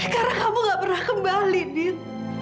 karena kamu gak pernah kembali dit